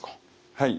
はい。